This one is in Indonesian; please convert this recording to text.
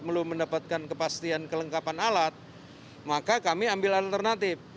belum mendapatkan kepastian kelengkapan alat maka kami ambil alternatif